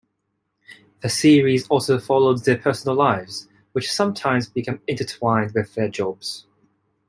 The series also followed their personal lives, which sometimes became intertwined with their jobs.